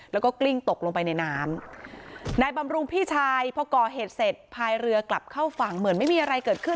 แล้วก็กลิ้งตกลงไปในน้ำนายบำรุงพี่ชายพอก่อเหตุเสร็จพายเรือกลับเข้าฝั่งเหมือนไม่มีอะไรเกิดขึ้น